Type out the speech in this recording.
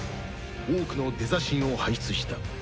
多くのデザ神を輩出した